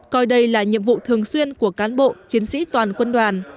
coi đây là nhiệm vụ thường xuyên của cán bộ chiến sĩ toàn quân đoàn